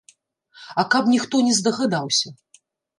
А каб ніхто не здагадаўся.